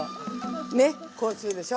ねこうするでしょ。